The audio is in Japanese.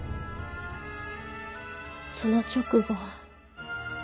その直後。